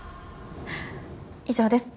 以上です。